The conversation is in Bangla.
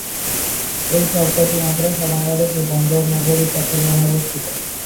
এর সব কয়টি মাদ্রাসা বাংলাদেশের বন্দর নগরী চট্টগ্রামে অবস্থিত।